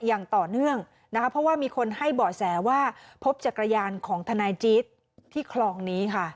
อย่างต่อเนื่องนะคะเพราะว่ามีคนให้เบาะแสว่าพบจักรยานของทนายจี๊ดที่คลองนี้ค่ะ